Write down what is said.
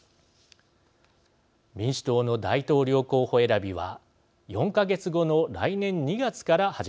民主党の大統領候補選びは４か月後の来年２月から始まります。